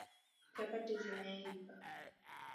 Chapati zimeiva